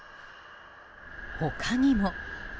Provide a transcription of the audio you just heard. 他にも。